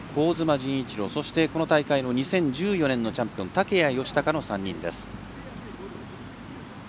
陣一朗そして、この大会の２０１４年のチャンピオン竹谷佳孝の３人です。